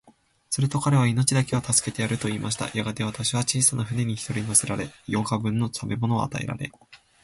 すると彼は、命だけは助けてやる、と言いました。やがて、私は小さな舟に一人乗せられ、八日分の食物を与えられ、